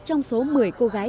trong số mười cô gái